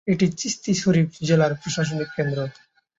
এটি চিশতি শরীফ জেলার প্রশাসনিক কেন্দ্র।